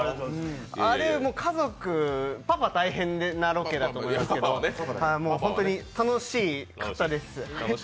あれ、家族、パパ大変なロケだと思いますけど本当に、楽しい方、です。